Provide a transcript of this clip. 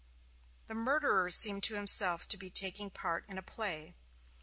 The murderer seemed to himself to be taking part in a play.